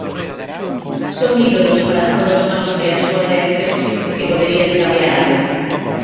Son ídolos para todos nós e a súa reacción si que podería cambiar algo.